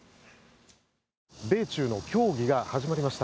米中の協議が始まりました。